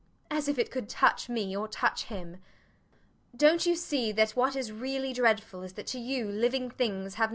As if it could touch me, or touch him! Dont you see that what is really dreadful is that to you living things have no souls.